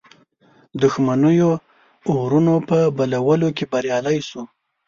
دښمنیو اورونو په بلولو کې بریالی سو.